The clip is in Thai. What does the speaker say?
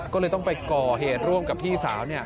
ก็เลยต้องไปก่อเหตุร่วมกับพี่สาว